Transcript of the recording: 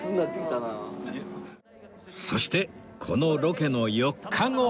そしてこのロケの４日後